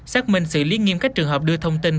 xác minh sự liên nghiêm các trường hợp đưa thông tin